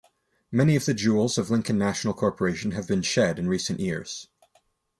Many of the jewels of Lincoln National Corporation have been shed in recent years.